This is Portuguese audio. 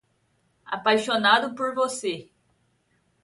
Apaixonado por você